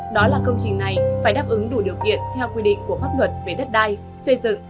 đó là công trình này phải đáp ứng đủ điều kiện theo quy định của pháp luật về đất đai xây dựng